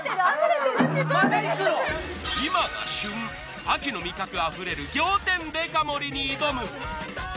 今が旬秋の味覚溢れる仰天デカ盛りに挑む。